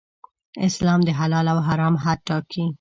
اسلام د حلال او حرام حد ټاکي.